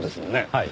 はい。